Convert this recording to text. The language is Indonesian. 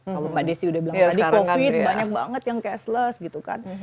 kalau mbak desi udah bilang tadi covid banyak banget yang cashless gitu kan